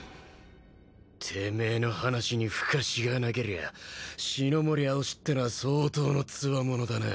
てめえの話にふかしがなけりゃ四乃森蒼紫ってのは相当のつわものだな。